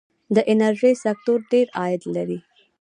د انرژۍ سکتور ډیر عاید لري.